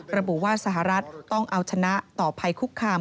ระบุว่าสหรัฐต้องเอาชนะต่อภัยคุกคาม